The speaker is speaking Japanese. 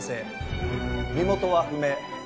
身元は不明。